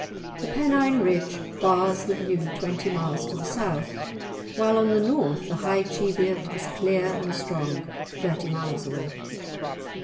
The Pennine Ridge bars the view twenty miles to the south, while on the North the High Cheviot is clear and strong, thirty miles away.